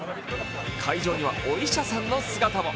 会場にはお医者さんの姿も。